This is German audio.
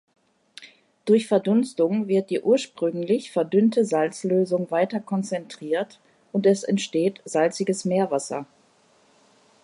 Durch Verdunstung wird die ursprünglich verdünnte Salzlösung weiter konzentriert, und es entsteht salziges Meerwasser.